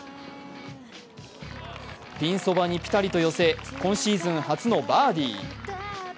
ピンそばにピタリと寄せ、今シーズン初のバーディー。